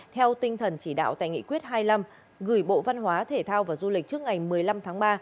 theo tinh thần chỉ đạo tại nghị quyết hai mươi năm gửi bộ văn hóa thể thao và du lịch trước ngày một mươi năm tháng ba